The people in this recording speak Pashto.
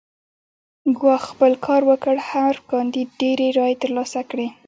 ګواښ خپل کار وکړ هر کاندید ډېرې رایې ترلاسه کړې.